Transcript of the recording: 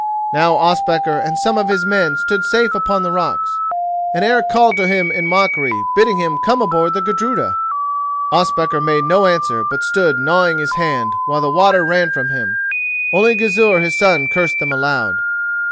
Now Ospakar and some of his people stood safe upon the rocks, and Eric called to him in mockery, bidding him come aboard the Gudruda. Ospakar made no answer, but stood gnawing his hand, while the water ran from him. Only Gizur his son cursed them aloud.